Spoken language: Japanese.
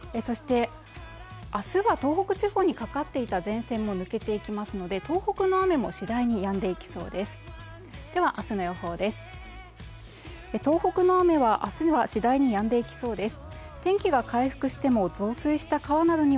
そして、明日は東北地方にかかっていた前線も抜けていきますので、東北の雨もしだいにやんでいきそうです。